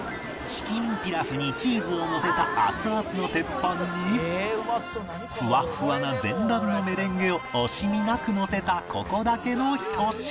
チキンピラフにチーズをのせた熱々の鉄板にふわふわな全卵のメレンゲを惜しみなくのせたここだけのひと品